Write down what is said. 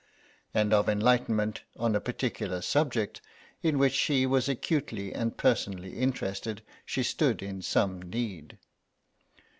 And of enlightenment on a particular subject, in which she was acutely and personally interested, she stood in some need.